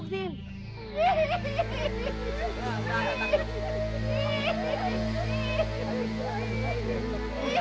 tanyain gue takut mana